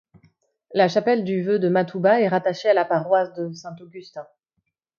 La chapelle du Vœu de Matouba est rattachée à la paroisse de Saint-Augustin.